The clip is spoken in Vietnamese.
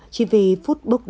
chỉ vì phút phút của ông điệp